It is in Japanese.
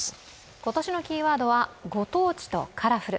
今年のキーワードはご当地とカラフル。